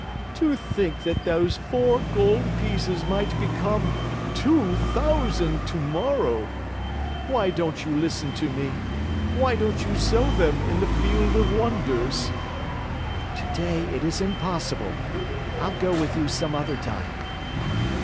"To think that those four gold pieces might become two thousand tomorrow. Why don't you listen to me? Why don't you sow them in the Field of Wonders?" "Today it is impossible. I'll go with you some other time."